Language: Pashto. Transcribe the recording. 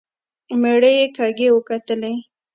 مېړه يې کږې وکتلې.